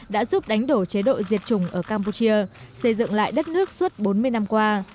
đã giúp đánh đổ chế độ diệt chủng ở campuchia xây dựng lại đất nước suốt bốn mươi năm qua